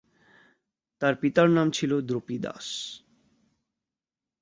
তার পিতার নাম ছিল দ্রোপিদাস।